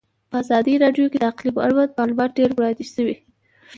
په ازادي راډیو کې د اقلیم اړوند معلومات ډېر وړاندې شوي.